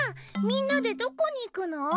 みんなでどこに行くの？